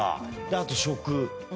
あと食。